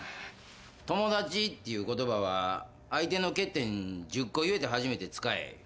友達っていうことばは、相手の欠点１０個言えて初めて使え。